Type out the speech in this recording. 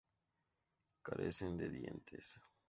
Carecen de dientes.